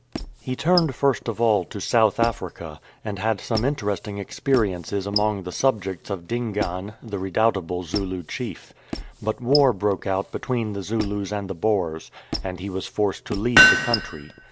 He tm ned first of all to South Africa, and had some interesting experiences among the subjects of Dingaan, the redoubtable Zulu chief. But war broke out between the Zulus and the Boers, and he was forced to leave the country.